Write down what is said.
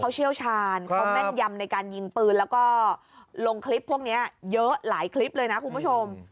เขาเชี่ยวชาญเขาแม่นยำในการยิงปืนแล้วก็ลงคลิปพวกนี้เยอะหลายคลิปเลยนะคุณผู้ชม